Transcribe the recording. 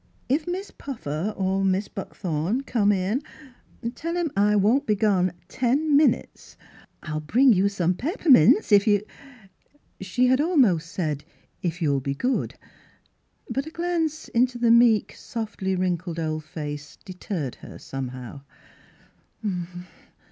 " If Mis' Puffer or ]\Iis' Buckthorne come in, tell 'em I won't be gone ten minutes. I'll Mdss Philura's Wedding Gown bring you some pep'mints if you —" She had almost said " if you'll be good." But a glance into the meek, softly wrinkled old face deterred her somehow.